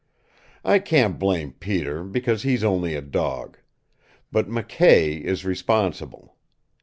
I can't blame Peter, because he's only a dog. But McKay is responsible.